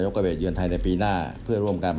คือปี๖๒นะคะ